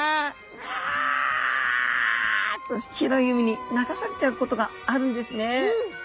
うわっと広い海に流されちゃうことがあるんですね。